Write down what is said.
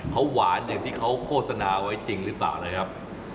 เขาหวานอย่างที่เขาโฆษณาไว้จริงหรือเปล่านะครับ